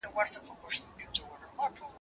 ما پرون د سبا لپاره د يادښتونه ترتيب وکړ!؟